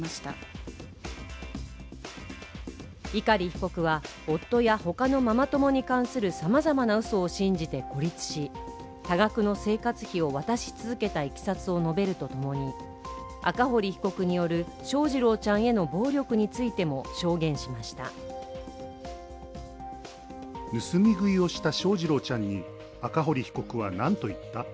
碇被告は夫や他のママ友に関するさまざまなうそを信じて孤立し、多額の政活費を渡し続けたいきさつを述べるとともに、赤堀被告による翔士郎ちゃんへの暴力についても証言しました。